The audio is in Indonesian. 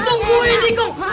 tunggu ini enkong